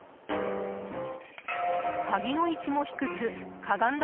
鍵の位置も低くかがんだ